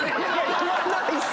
言わないっすよ。